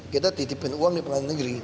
kita titipin uang di pengadilan negeri